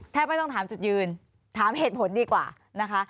ไม่ต้องถามจุดยืนถามเหตุผลดีกว่านะคะ